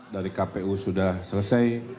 dari kpu sudah selesai